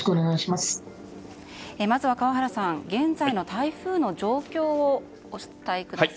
まずは川原さん現在の台風の状況をお伝えください。